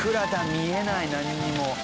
見えないなんにも。